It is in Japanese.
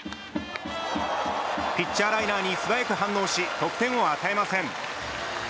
ピッチャーライナーに素早く反応し得点を与えません。